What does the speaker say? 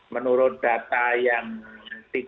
menurut data yang dikutuk